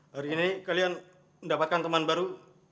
hari ini kalian mendapatkan teman baru